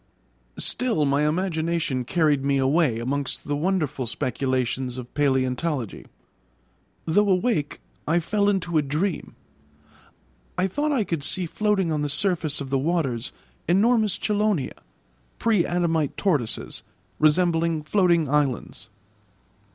Still my imagination carried me away amongst the wonderful speculations of palæontology. Though awake I fell into a dream. I thought I could see floating on the surface of the waters enormous chelonia, pre adamite tortoises, resembling floating islands.